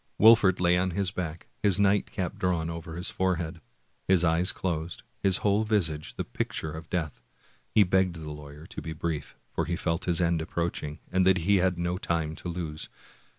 Wolfert lay on his back, his nightcap drawn over his forehead, his eyes closed, his whole visage the picture of death. He begged the lawyer to be brief, for he felt his end approaching, and that he had no time to lose.